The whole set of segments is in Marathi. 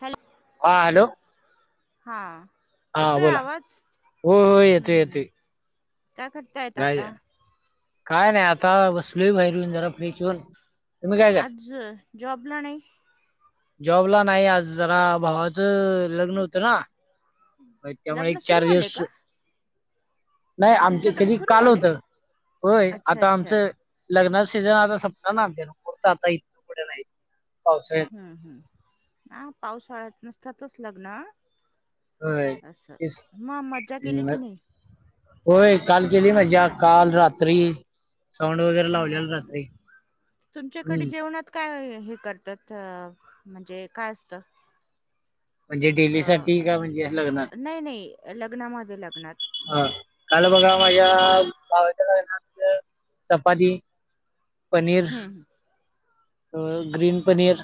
हॅलो हा हॅलो हा. हा येतोय बोला, आवाज हो हो येतोय येतोय. हम्म काय करतायत काय आता? काय नाही आता बसलोय बाहेर येऊन जरा फ्रेश होवून. आज्ज जॉब ला नाही? जॉबला नाही आज, जरा भावाचं लग्न होतं ना. व्हय त्यामुळे लग्न एक सुरू चार झाले दिवस का नाही आमचं तुमच्याकडे कधी सुरू काल झाले होतं. होय अच्छा आता अच्छा आमचं लग्नास [unintelligible] आता संपणार ना आता इतं कुठे नाही पावसाळ्यात हम्म हम्म, हा पावसाळ्यात नसतातच लग्न. होय असं मग मज्जा केली की [unintelligible] नाही होय काल केली मज्जा काल रात्री साऊंड वगैरे लावलेल हम्म रात्री. तुमच्याकडे हम्म जेवणात काय हे करतात अं म्हणजे काय असत? म्हणजे डेली साठी का म्हणजे लग्नात? नाही नाही लग्नामध्ये लग्नात. हा काल बघा माझ्या भावाच्या लग्नात चपााती पनीर, हम्म अं ग्रीन पनीर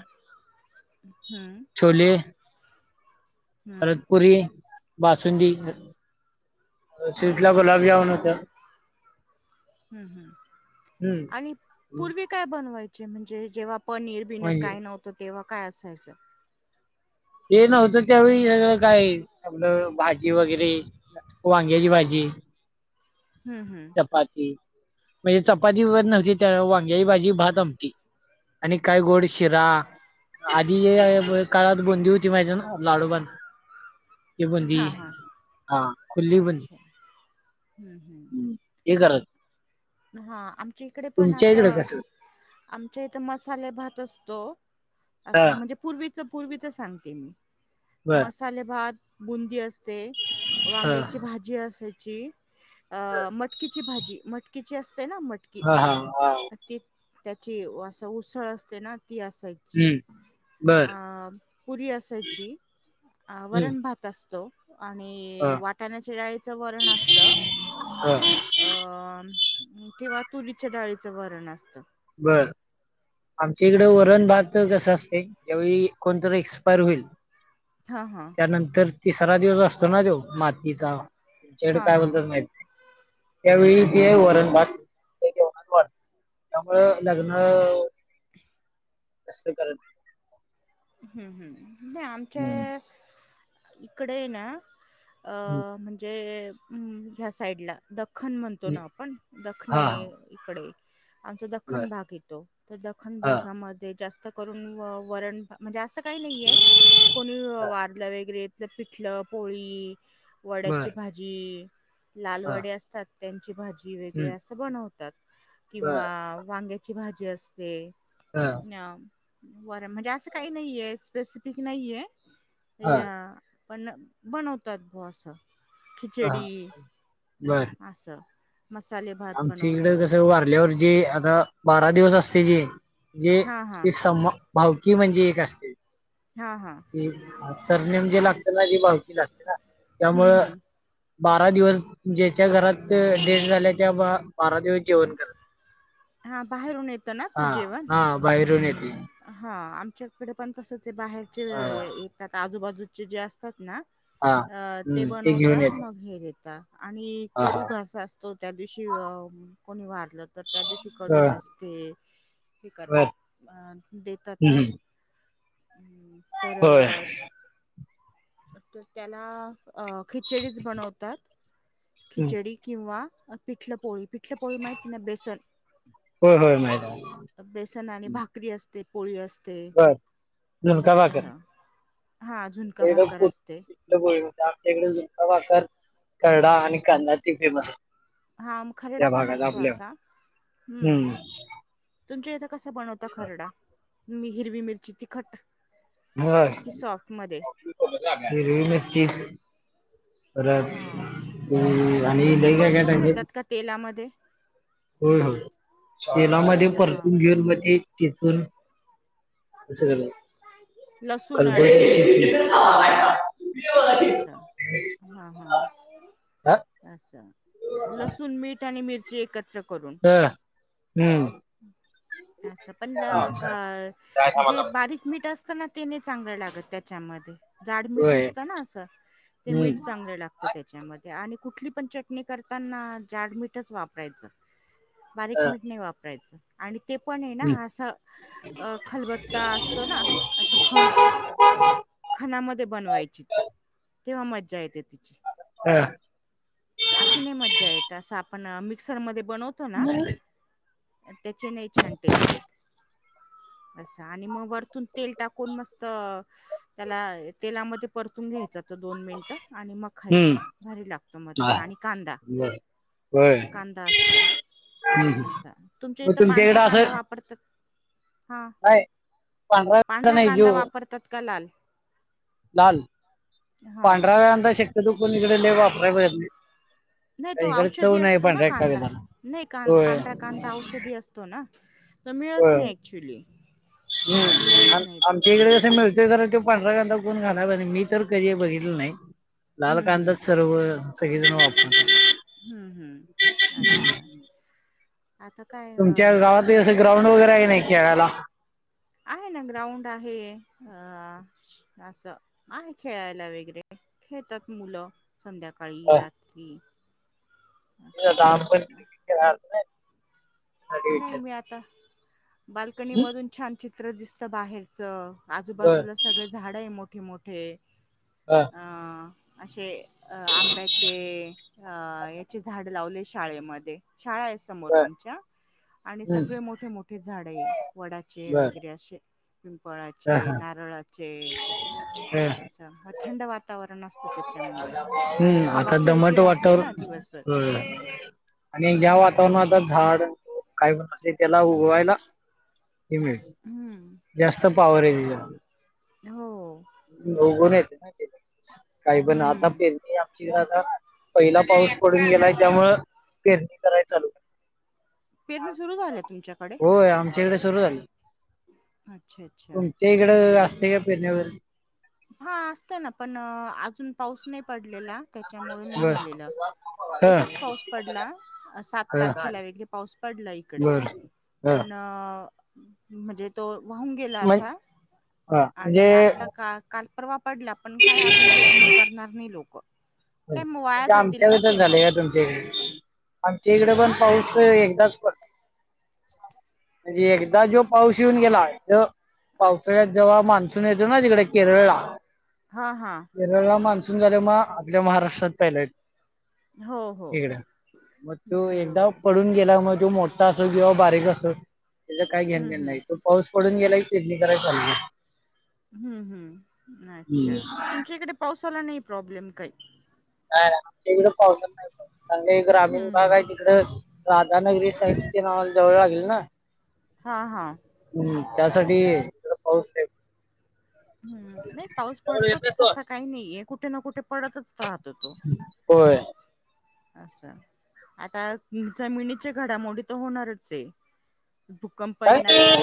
हम्म छोले हम्म रतपुरी बासुंदी स्वीटला हम्म गुलाबजामून होतं. हम् हम् हम्म आणि पूर्वी काय बनवायचे? म्हणजे जेव्हा पनीर बिनीर म्हणजे काय नव्हतं तेव्हा काय असायचं? हे नव्हतं त्यावेळी काय आपलं भाजी वगैरे वांग्याची भाजी [unintelligible] हम्म हम्म चपाती म्हणजे चपाती वगैरे नव्हती त्यावेळेला वांग्याची भाजी, भात, आमटी आणि काय गोड शिरा. आधी काळात बुंदी होती माहिते नव? लाडूबाण हि बुंदी हा हा हा खुली बून अच्छा हम्म, हम्म हे करत हा, आमच्या इकडे पण तुमच्या इकडे असं कसं आमच्या इथ मसाले भात असतो, हा असं म्हणजे पूर्वी च पूर्वीचं सांगते मी बर मसाले भात, बुंदी असते हा वांग्याची भाजी असायची, बर अं मटकीची भाजी मटकीची अस असय ना मटकी हा हा हा ती त्याची असं उसळ असते ना ती असायची हम्म बर अं पुरी असायची, अं हम्म वरण भात असतो. आणि हा वाटाण्याच्या डाळीचं वरण असत, हा अं किंवा तुरीच्या डाळीचं वरण असत. बर आमच्या इकडे वरण भात कसं अस ज्यावेळी कोणतरी एक्सपायर होईल हां, हां. त्यानंतर तिसरा दिवस असतो ना त्यो मातीचा, तुमच्याकडे हां, काय हां. बोलतात माहित नई. त्यावेळी ते तीच वरण भात ते जेवणात वाढता त्यामुंळ लग्न वगैरे जास्त करत हम्म हम् नाय आमच्या नाही हम्म, इकडे ना अ हम्म. म्हणजे ह्या साईडला खन म्हणतो हम्म. ना आपण हा दखणे हा इकडे आमचा बर दख्खन भाग येतो. तर दखन हा भागामध्ये जास्त करून वरण म्हणजे असं काय नाईये कोणी हा वारलं वगैरे त पिठलं, पोळी वड्याची बर भाजी, लाल हा वडे असतात त्यां ची भाजी वगैरे हम्म अस बनवतात. किंवा बर वांग्याची भाजी असते हा अ वर म्हणजे असं काइ नाइये स्पेसिफिक नाइये. हा या पण बनवतात भो अस. खिचडी हा बर अस. आमच्या इकड कस वारल्यावरजे आता बारा दिवस असतय जे हा हा जे सम भावकी म्हणजे एक असतय हा हा कि सरनेम जे लागते ना ती भावकी लागते ना. हम्म त्यामुळं हम्म बारा दिवस ज्याच्या घरात डेड झाल्या त्या बारा दिवस जेवण करत नाइ हा बाहेरून येतं ना ते जेवण. हा बाहेरून येते हा मच्याकड पण तसच बाहेरचे ह येतात आजूबाजूचे जे असतात ना हा अ ते हम्म घेऊन बनवतात येते मग हे घेता आणि हा कडू हा घास असतो त्या दिवशी अ कोणी वारलं तर त्या दिवशी कडू बर घास ते हे बर करतात अ देतात ना. हम्म तर होय त्याला अ खी खिचडीच बनवतात, खिचडी किंवा पिठल पोळी, पिठलं पोळी माहिती ना बेसन होय होय माहिती बेसन आणि भाकरी असते, पोळी अस ते बर झुणका भाकर असं हा झुणका भाकर असते. आमच्याकडे झुणका भाकर, खर्डा आणि कांदा ते फेमसय. हा खरडा पण असतो असा, हम हम्म तुमच्या ह्याज्या कसा बनवता खरडा? हिरवी मिरची, तीखट होय, हिरवी मिरची हा परत पण आणि ती लय काय काय परतून टाकत्यात. घेतात का तेलामध्ये? होय, होय. तेलामध्ये हा परतून घेऊन म ते चेचून कसं केलं? लसूण आणि खलबत्त्यात मीठ चेचून असं हां, हा हां. असं लसूण, मीठ आणि मिरची एकत्र करून. ह हम्म अस पण जे बारीक मीठ अस ना तेने चांगलं लागत त्याच्यामध्ये. जाडमीठ होय असत ना असं ते मीठ हम्म चांगल लागत त्याच्या मध्ये. आणि कुठली पण चटणी करताना जाडमीठच वापरायचं. बारीक अ मीठ नाही वापरायचं. आणि ते पण ये ना हम्म असं अ खलबत्ता असतो ना असं खण खनामध्ये बनवायची. ती तेव्हा मज्जा येते तिची. हा. अशी नाही मज्जा येत असं आपण मिक्सरमध्ये बनवतो ना त्याचे नाही छान टेस्ट येत अस. आणि म वरतून तेल टाकून मस्त त्याला तेलामध्ये परतून घ्यायच तो दोन मिनट, आणि म खायचा. भारी लागतो म ह बर होय. कांदा असतो हम्म असा तुमच्या मग इथं पांढरा इकडं असं कांदा वापरतात हा काय पांढरा नाही जो कांदा वापरतात का लाल? लाल. हा पांढरा कांदा शक्यतो कोन इकडं लय वापराय बघत नाही. नाही त्या तो इकडे चव औषधी नाही असतो ना पांढऱ्या कांदा, कागदाला नाही होय पांढरा कांदा औषधी असतो ना. त मिळत नही ऍक्च्युली मिळत हम् आम नाही तो आमच्या इकडं स मिळ ते जरा ते पांढरा कांदा कोण घालावरीन [unintelligible] मी तर कधी बघितलं नाही लाल हम्म कांदा हम्म सर्व सगळे जन वाप हम्म हम्म अच्छा आता काय तुमच्या अ गावात असं ग्राउंड वगैरे आहे नही खेळाला आहे ना ग्राउंड आहे अ असं आहे खेळायला वगैरे खेळतात मुलं अ, संध्याकाळी, रात्री असं [unintelligible] त्यासाठी नाही, विचार मी आता बाल्कनी हम्म? मधुन छान चित्र दिसतं बाहेरचं बर आजुबाजूला सगळे झाडं आहे मोठ मोठ-मोठे अ अशे अ आंब्याचे अ याचे झाडं लावले शाळेमध्ये शाळा आहे, समोर बर आमच्या आणि हम्म, सगळे मोठे मोठे झाडं हे वडाचे बर वैगरे अशे अ, पिंपळाचे, हा. नारळाचे अ, असं थंड वातावरण असं. [unintelligible] हम्म आता दमट राहते ना वातावरण दिवसभर हम्म आणि या असं वातावरणात आता झाडं काही पण असेल त्याला उगवायला हे मिळते हम्म जास्त पाॅवर येते त्याला. हो उगवून येते ना आता ते लगेच काहीपण आता हम्म पेरणी ची आता पहिला पाऊस पडून गेलाय त्यामुळं पेरणी कराय चालू पेरणी सुरू झाल्या, तुमच्याकडे होय आमच्याकडे सुरू झाली. अच्छा अच्छा तुमच्या इकडं हम्म असते का? पेरणी वैगरे, हा असत ना पण अजून पाऊस नाही पडलेला त्याच्यामुळे नाही बर झालेलं. ह एकच पाऊस पडला. सात ह तारखेला वेगे पाऊस पडला इकडे. बर ह पण म्हणजे तो वाहून गेला म्हण असा हा आणि म्हणजे आता का कालपर्वा पडला पण काय अजुन पेरणी करणार नाही लोक. काय मग वाया म्हणजे जातील ना आमच्यागत च ते मग झालंय का तुमच्या इकडे आमच्या इकडे अ पण पाऊस एकदाच पडला. म्हणजे एकदा जो पाऊस येऊन गेला तो अच्छा पावसाळ्यात जेव्हा मान्सून येतो ना तिकडे केरळला, हा हा केरळला मान्सून सून झालं म आपल्या महाराष्ट्रात पहिला हो येतोय. हो इकड मग तू एकदा बरोबर आहे पडून गेला मग तो मोठा असो किंवा बारीक असो त्याच काय घेण हम्म देणं नाही हम्म तो पाऊस पडून गेलाय. पेरणी कराय चालू. हम्म हम्म अच्छा तुमच्या इकडे पावसाला नाही, प्रॉब्लेम काही नाय नाय आमच्या इकडं पावसा नाही प्रॉब्लेम आमच्या काही ग्रामीण भाग हम्म आहे तिकड राधानगरी साईट तेन ऑल जवळ लागेल ना. हा हा, हम्म त्यासाठी इकडं पाऊस हे हम्म नाही पाऊस पडतोच तसा काही नाहीये कुठे ना कुठे पडतच राहतो तो. होय. असं आता जमिनीच्या घडामोडी तर होणारच हे. भूकंप काय येणारचं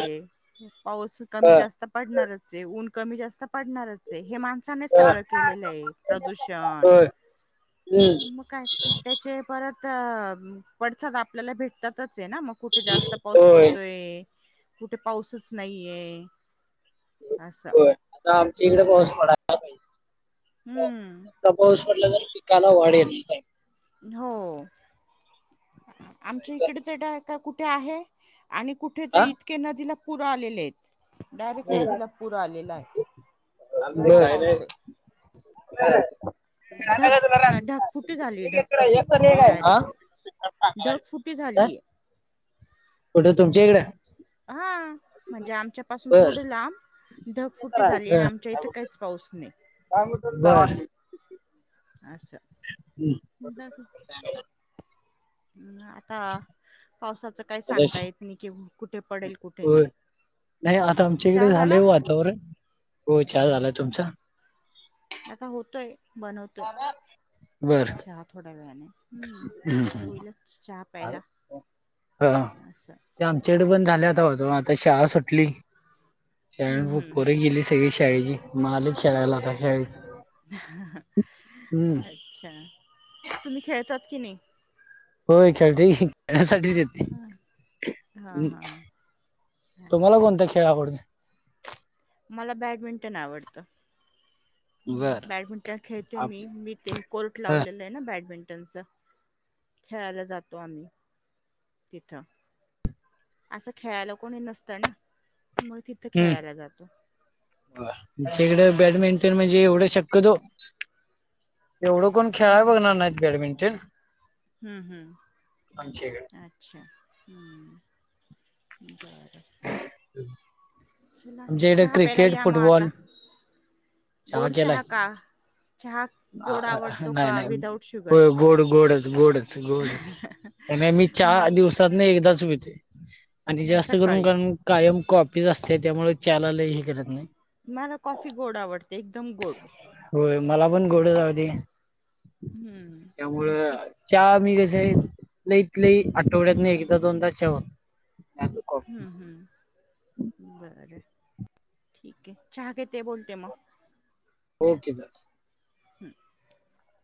हे पाऊस अ, कमी जास्त पडणारचं हे ऊन कमी जास्त पडणारचं हे हे माणसाने च अ, सगळं केलेलं हे प्रदूषण होय हम्म मग काय? ते परत आपल्याला भेटतात. ना मग कुठे जास्त पाऊस होय पडतोय, कुठे पाऊसच नाही ये. हो आता आमच्या इकडे पाऊस पडायला पाहिजे. हम्म म्हटलं तर पिकाला वाढ येत आहे. हो आमच्या सांगताय इकडे च [inaudible] कुठे आहे. आणि कुठे तर हा इतके नदीला पुर आलेले आहेत. डायरेक्ट नदीला पुर आलेला आहे. एवढा काय नाही. पाऊस आहे ढग का- ढगफुटी झाली ढगफुटी डायरेक्टली ढगफुटी झालीये हो [unintelligible] अस हा म्हणजे आमच्या पाासून बर थोडं लांब बर ढगफुटी झाली आणि आमच्या इथं काहीच पाऊस नाही बर [unintelligible] अस [unintelligible] आता पावसाचं काय आता सांगता श- येत नाही केिव कुठे होय नाही नाही आता आमच्या इकडे चहा झालेय झाला वातावरण हो चहा झाला तुमचा? आता होतोय बनवतोय बर चहा थोड्या वेळाने हम्म हम्म, आता हम्म. होईलच चहा [inaudible] हा प्यायला असं ते आमच्याकडे पण झाल्यात तवा जवा आता शाळा सुटली हम्म शाळेू [unintelligible] हम्म पोर हम्म गेली सगळी शाळेची म आलूय खेळायला शाळे [inaudible] [inaudible] अच्छा तुम्ही खेळतात कि नाही? होय खळतोय कि [inaudible] येते हा हा [unintelligible] हा [inaudible] तुम्हाला अच्छा कोणता खेळ आवडतोय? मला बॅडमिंटन आवडतं बर बॅडमिंटन खेळते आप मी- मी ते कोर्ट हा. लावलेले ना बॅडमिंटनच खेळाला जातो आम्ही तिथं असं खेळायला कोणी नसतं ना मग तिथं हम्म खेळायला जातो. आमच्याकड अच्छा. बॅडमिंटन म्हणजे एवढं शक्यतो एवढं कोण खेळाय हम्म बघणार नाहीत बॅडमिंटन हम्म- आमच्या इकडे हम्म अच्छा [inaudible] हम्म [inaudible] बरं आमच्या [inaudible] इकडे चहा प्यायला क्रिकेट या म आता फुटबॉल गोड चहा का? चहा गोड आ आवडतो नाही- का नाही विदाउट शुगर होय गोड -गोडच [inaudible] गोडच- गोडच आणि मी चाहा म दिवसातन एकदाच पितो आणि जास्त करून सकाळी कारण कायम कॉफीच असत्या त्यामुळे च्याला लय हे करत नाहीत मला कॉफी गोड आवडते एकदम गोड होय मला पण गोडच आवडत्या कि त्यामुळ हम्म ती च्या मी लईत- लई आठवड्यात नाही एकदा- दोनदा च्याहूतू हम्म- हम्म बर बर ठीक आहे चहा घेते बोलते मग ओके चल हम [unintelligible]